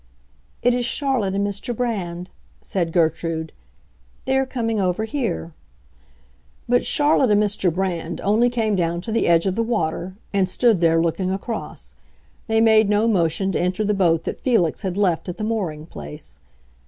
"It is Charlotte and Mr. Brand," said Gertrude. "They are coming over here." But Charlotte and Mr. Brand only came down to the edge of the water, and stood there, looking across; they made no motion to enter the boat that Felix had left at the mooring place.